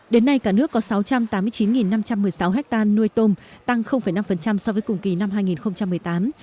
đến nay cả nước có sáu trăm tám mươi chín năm trăm một mươi sáu ha nuôi tôm tăng năm so với cùng kỳ năm hai nghìn một mươi tám